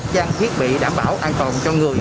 trang thiết bị đảm bảo an toàn cho người